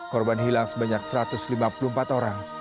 korban hilang sebanyak satu ratus lima puluh empat orang